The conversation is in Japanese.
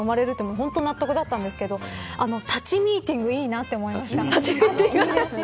本当に納得だったんですけど立ちミーティングいいなと思いました。